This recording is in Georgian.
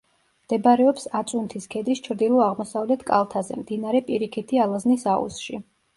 მდებარეობს აწუნთის ქედის ჩრდილო-აღმოსავლეთ კალთაზე, მდინარე პირიქითი ალაზნის აუზში.